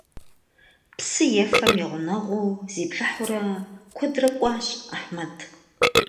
Psı 'ufem yi ğuneğuu, ziplhıhuure, kuedre k'uaş Ahmed.